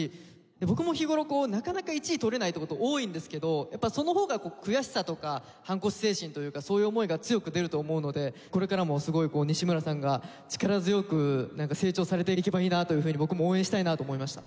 僕も日頃こうなかなか１位取れないって事多いんですけどやっぱそのほうが悔しさとか反骨精神というかそういう思いが強く出ると思うのでこれからもすごい西村さんが力強く成長されていけばいいなというふうに僕も応援したいなと思いました。